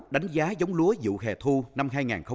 đánh giá giống lúa dụ hè thu năm hai nghìn một mươi sáu